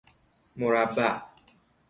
مربع